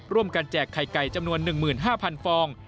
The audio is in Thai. ร่วมกันแจกไข่ไก่จำนวน๑๕๐๐๐ฟอง